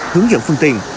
hướng dẫn phương tiện